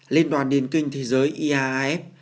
liên đoàn điền kinh thế giới iaaf